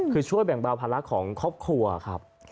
คือช่วยแบ่งเบาภาระของครอบครัวครับ